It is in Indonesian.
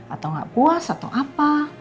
atau nggak puas atau apa